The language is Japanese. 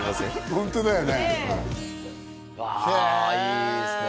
ホントだよねねえわあいいですね